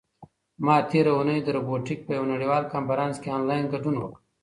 ما تېره اونۍ د روبوټیک په یوه نړیوال کنفرانس کې آنلاین ګډون وکړ.